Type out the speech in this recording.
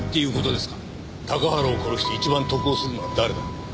高原を殺して一番得をするのは誰だろう？